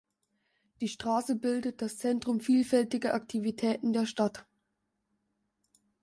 Die Straße bildet das Zentrum vielfältiger Aktivitäten der Stadt.